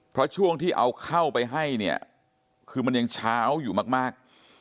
เพราะช่วงที่เอาเข้าไปให้เนี่ยคือมันยังเช้าอยู่มาก